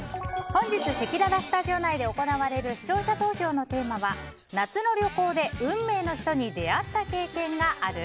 本日行われる視聴者投票の投票テーマは夏の旅行で運命の人に出会った経験がある？